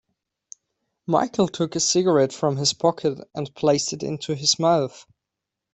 Michael took a cigarette from his pocket and placed it in his mouth.